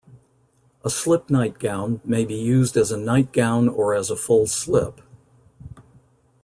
A slip nightgown may be used as a nightgown or as a full slip.